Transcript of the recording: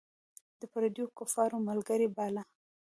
د پردیو کفارو ملګری باله.